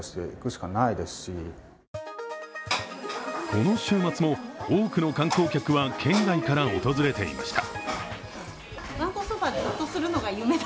この週末も多くの観光客は県外から訪れていました。